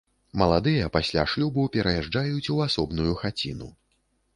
Маладыя пасля шлюбу пераязджаюць у асобную хаціну.